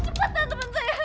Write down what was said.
cepetan temen saya